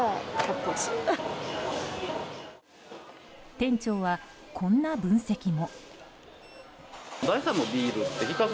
店長は、こんな分析も。